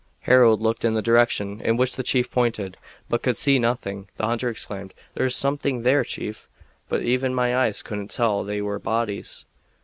Harold looked in the direction in which the chief pointed, but could see nothing. The hunter exclaimed: "There's something there, chief, but even my eyes couldn't tell they were bodies."